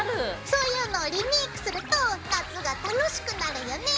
そういうのをリメイクすると夏が楽しくなるよね！